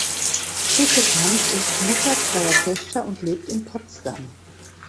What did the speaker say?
Schicketanz ist Mutter zweier Töchter und lebt in Potsdam.